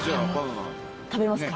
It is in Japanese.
食べますか？